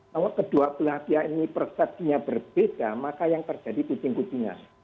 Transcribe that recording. kalau kedua pelatihan ini persetinya berbeda maka yang terjadi kucing kucingan